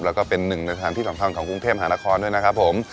แล้วก็เป็นหนึ่งในสถานที่สำคัญของกรุงเทพหานครด้วยนะครับผม